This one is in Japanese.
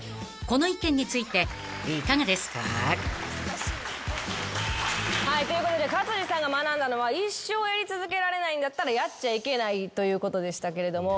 この意見についていかがですか？］ということで勝地さんが学んだのは一生やり続けられないんだったらやっちゃいけないということでしたけれども。